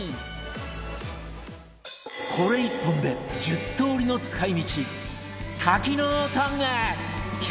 これ１本で１０通りの使い道